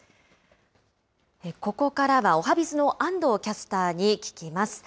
ここからは、おはＢｉｚの安藤キャスターに聞きます。